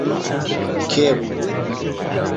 کێ بوو؟